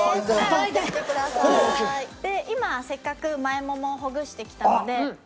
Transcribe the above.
今せっかく前ももをほぐしてきたので。